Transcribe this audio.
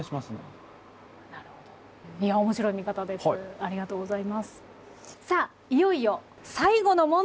ありがとうございます。